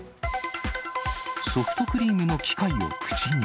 ソフトクリームの機械を口に。